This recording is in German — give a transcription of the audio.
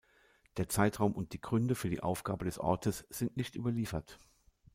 Der Zeitraum und die Gründe für die Aufgabe des Ortes sind nicht überliefert.